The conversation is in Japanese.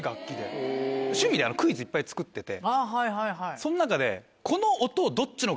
その中で。